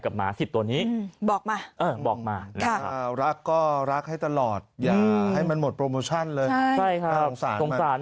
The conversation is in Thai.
หมา๑๐ตัวนี้บอกมาบอกมารักก็รักให้ตลอดอย่าให้มันหมดโปรโมชั่นเลยสงสาร